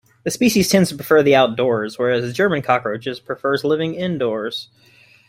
This species tends to prefer the outdoors, whereas the German cockroach prefers living indoors.